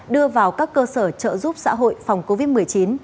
đưa vào các cơ sở trợ giúp xã hội phòng covid một mươi chín